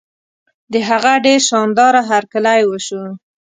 د هغه ډېر شان داره هرکلی وشو.